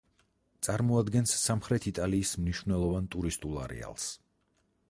წარმოადგენს სამხრეთ იტალიის მნიშვნელოვან ტურისტულ არეალს.